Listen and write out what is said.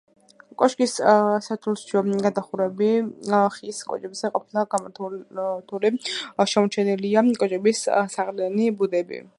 კოშკის სართულშუა გადახურვები ხის კოჭებზე ყოფილა გამართული, შემორჩენილია კოჭების საყრდენი ბუდეები.